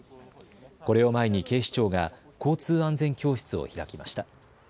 これを前に警視庁が交通安全教室を開きました。